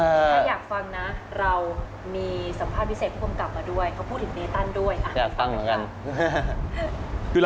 ถ้าอยากฟังนะเรามีสัมภาษณ์พิเศษผู้กำกับมาด้วยเขาพูดถึงเนตัลด้วยค่ะ